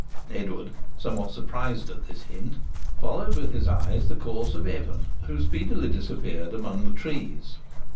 Edward, somewhat surprised at this hint, followed with his eyes the course of Evan, who speedily disappeared among the trees.